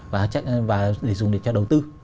và dùng để cho đầu tư